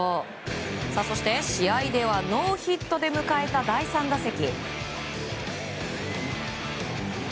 そして、試合ではノーヒットで迎えた第３打席。